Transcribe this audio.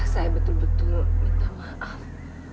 saya betul betul minta maaf